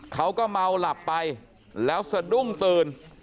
เขาก็เมาหลับไปแล้วสะดุ้งตื่น